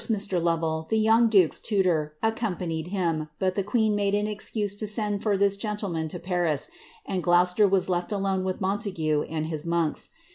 At first, Mr. Lovel, the youn^ duke's tutor, accompanied tiim, but the queen made an excuse to send for tliis gentleman to Paris, and Gloucester was left alone with Montague and his monks.'